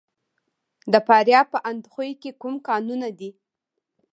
د فاریاب په اندخوی کې کوم کانونه دي؟